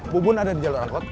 bubun ada di jalur angkot